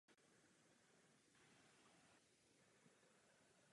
Letorosty a stonky jsou často čtyřhranné.